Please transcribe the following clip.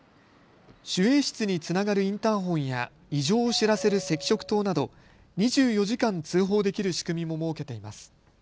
守衛室につながるインターホンや異常を知らせる赤色灯など２４時間通報できる仕組みも設けています。